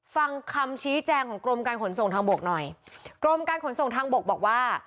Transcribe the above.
ฟังคำชี้แจงของกรมการขนส่งทางบกหน่อยกรมการขนส่งทางบกบอกว่า